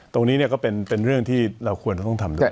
ตรงนี้ก็เป็นเรื่องที่เราควรจะต้องทำด้วย